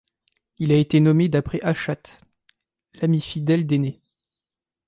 Il a été nommé d'après Achate, l'ami fidèle d'Énée.